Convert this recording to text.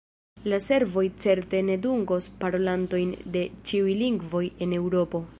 La servoj certe ne dungos parolantojn de ĉiuj lingvoj en Eŭropo.